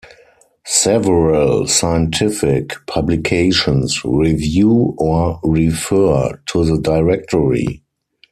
Several scientific publications review or refer to the directory.